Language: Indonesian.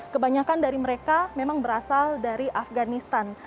kebanyakan dari mereka memang berasal dari afganistan